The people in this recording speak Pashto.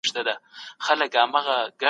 علمي استدلال باید روښانه او څرګند وي.